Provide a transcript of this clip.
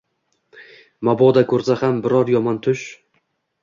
Mabodo ko’rsa ham biror yomon tush